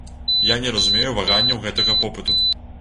Я не разумею ваганняў гэтага попыту!